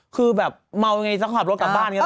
คือแบบเมายังไงจะขับรถกลับบ้านก็ได้